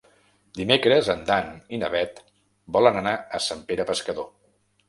Dimecres en Dan i na Bet volen anar a Sant Pere Pescador.